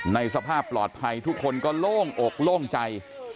ในสภาพปลอดภัยทุกคนก็โล่งอกโล่งใจ